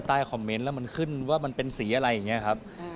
ใต้คอมเมนต์แล้วมันขึ้นว่ามันเป็นสีอะไรอย่างนี้ครับ